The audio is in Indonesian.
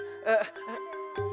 ya udah sekarang